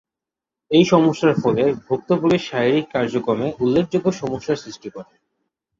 এই সমস্যার ফলে ভুক্তভোগীর শারীরিক কার্যক্রমে উল্লেখযোগ্য সমস্যার সৃষ্টি করে।